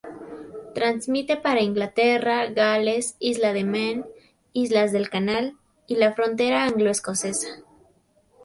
Transmite para Inglaterra, Gales, Isla de Man, Islas del Canal y la frontera anglo-escocesa.